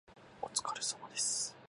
お疲れ様です。